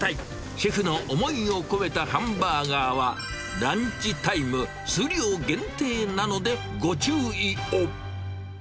シェフの思いを込めたハンバーガーは、ランチタイム数量限定なのでご注意を。